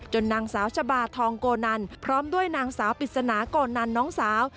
นางสาวชะบาทองโกนันพร้อมด้วยนางสาวปริศนาโกนันน้องสาว